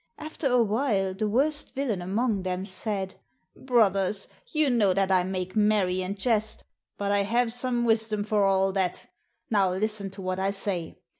After a while the worst villain among them said, " Brothers, you know that I make merry and jest, but I have some wisdom for all that. Now listen to what I say.